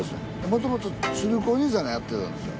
もともと鶴光兄さんがやってたんですよ。